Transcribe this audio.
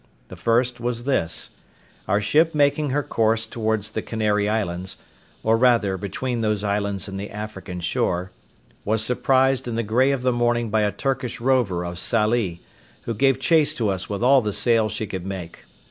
The first was this: our ship making her course towards the Canary Islands, or rather between those islands and the African shore, was surprised in the grey of the morning by a Turkish rover of Sallee, who gave chase to us with all the sail she could make.